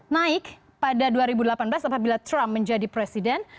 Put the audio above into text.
naik pada dua ribu delapan belas apabila trump menjadi presiden